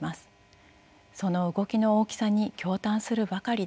その動きの大きさに驚嘆するばかりです。